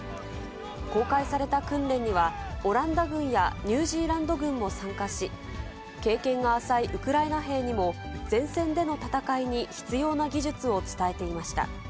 公開された訓練には、オランダ軍やニュージーランド軍も参加し、経験が浅いウクライナ兵にも、前線での戦いに必要な技術を伝えていました。